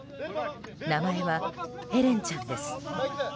名前はヘレンちゃんです。